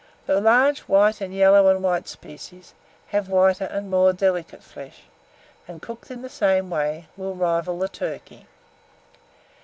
The large white, and yellow and white species, have whiter and more delicate flesh, and, cooked in the same way, will rival the turkey.